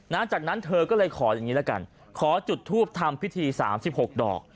นั้นจากนั้นเธอก็เลยขออย่างนี้ละกันขอจุดทูบทำพิธี๓๖ดอก